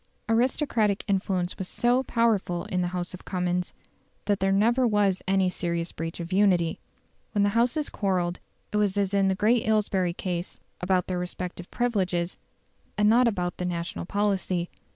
Aristocratic influence was so powerful in the House of Commons, that there never was any serious breach of unity. When the Houses quarrelled, it was as in the great Aylesbury case, about their respective privileges, and not about the national policy.